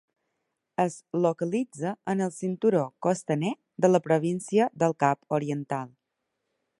Es localitza en el cinturó costaner de la província del Cap Oriental.